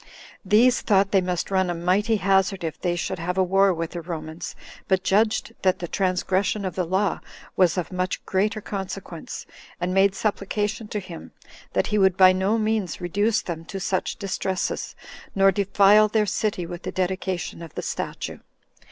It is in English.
These thought they must run a mighty hazard if they should have a war with the Romans, but judged that the transgression of the law was of much greater consequence, and made supplication to him, that he would by no means reduce them to such distresses, nor defile their city with the dedication of the statue.